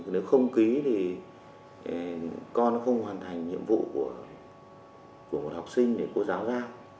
nếu không ký thì con nó không hoàn thành nhiệm vụ của một học sinh để cô giáo giao